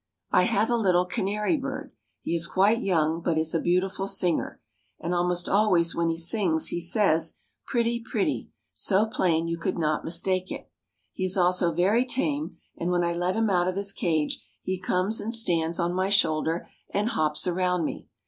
I have a little canary bird. He is quite young, but is a beautiful singer, and almost always when he sings he says, "Pretty, pretty," so plain you could not mistake it. He is also very tame, and when I let him out of his cage he comes and stands on my shoulder, and hops around me.